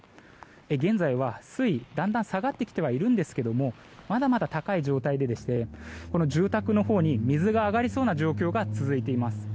現在は、水位はだんだん下がってきてはいるんですけれどもまだまだ高い状態でして住宅のほうに水が上がりそうな状況が続いています。